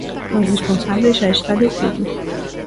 O responsable xa está detido.